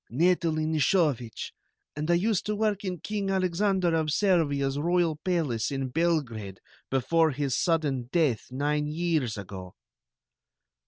"Natalie Nishovich, and I used to work in King Alexander of Servia's royal palace in Belgrade before his sudden death nine years ago."